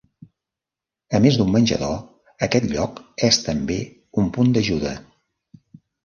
A més d'un menjador, aquest lloc és també un punt d'ajuda.